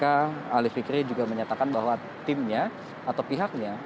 alif fikri juga menyatakan bahwa timnya atau pihaknya